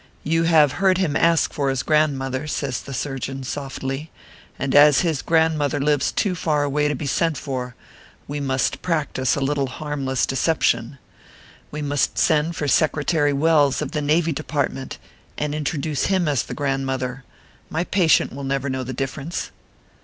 You have heard him ask for his grand mother, says the surgeon, softly, "and as his grand mother lives too far away to be sent for, we must practice a little harmless deception. We must send for Secretary Welles of the Navy Department, and introduce him as the grandmother. My patient will never know the difference."